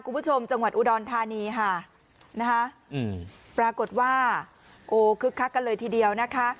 จังหวัดอุดรธานีค่ะนะคะอืมปรากฏว่าโอ้คึกคักกันเลยทีเดียวนะคะ